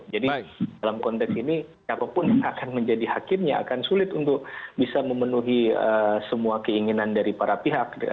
jadi dalam konteks ini apapun yang akan menjadi hakimnya akan sulit untuk bisa memenuhi semua keinginan dari para pihak